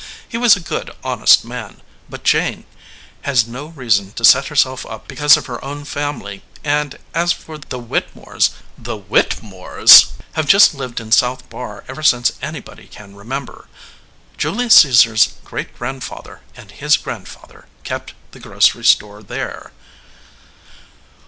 He was a good, honest man, but Jane has no reason to set herself up because of her own family, and as for the Whittemores the Whittemores have just lived in South Barr ever since anybody can remember. Julius Caesar s great grandfather and his grand father kept the grocery store there."